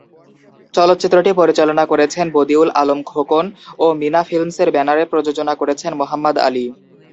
চলচ্চিত্রটি পরিচালনা করেছেন বদিউল আলম খোকন ও মিনা ফিল্মসের ব্যানারে প্রযোজনা করেছেন মোহাম্মদ আলী।